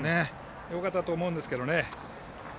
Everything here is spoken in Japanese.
よかったと思うんですがね。